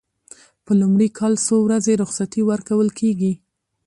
په لومړي کال څو ورځې رخصتي ورکول کیږي؟